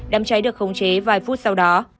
đám cháy được khống chế vài phút sau đó